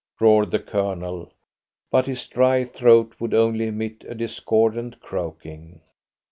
roared the Colonel. But his dry throat would only emit a discordant croaking.